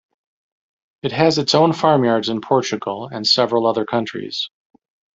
It has its own farmyards in Portugal and several other countries.